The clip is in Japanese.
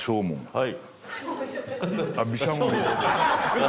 はい。